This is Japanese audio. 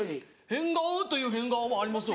変顔という変顔ありますよ